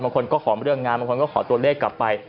ขอเรื่องงานบางคนก็ขอตัวเลขกลับไป